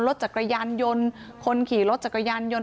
รถจักรยานยนต์คนขี่รถจักรยานยนต